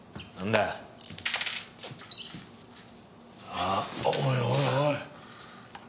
あっおいおいおい。